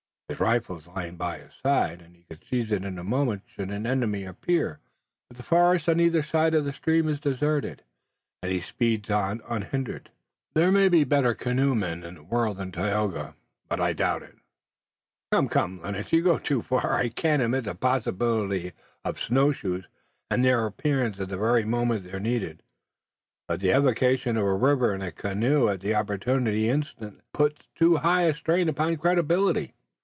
His rifle is lying by his side, and he could seize it in a moment should an enemy appear, but the forest on either side of the stream is deserted, and he speeds on unhindered. There may be better canoemen in the world than Tayoga, but I doubt it." "Come, come, Lennox! You go too far! I can admit the possibility of the snow shoes and their appearance at the very moment they're needed, but the evocation of a river and a canoe at the opportune instant puts too high a strain upon credibility."